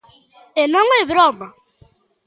E non é broma.